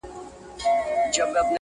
زوره وره هيبتناكه تكه توره،